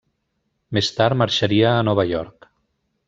Més tard marxaria a Nova York.